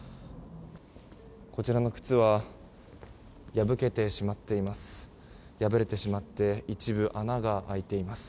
こちらの靴は破けてしまっています。